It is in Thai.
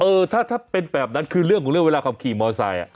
เออถ้าเป็นแบบนั้นคือเรื่องของเรื่องเวลาขับขี่มอไซค์